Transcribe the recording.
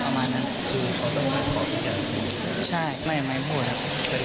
ประมาณนั้นคือเขาต้องให้บอกอย่างนี้ใช่ไม่ไม่พูดครับ